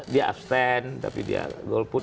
dia abstain tapi dia golput